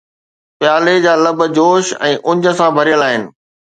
پيالي جا لب جوش ۽ اڃ سان ڀريل آهن